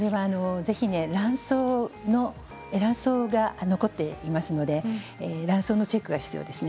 ぜひ卵巣が残っていますので卵巣のチェックが必要です。